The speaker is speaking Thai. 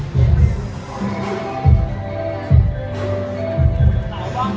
สโลแมคริปราบาล